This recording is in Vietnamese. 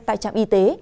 tại trạm y tế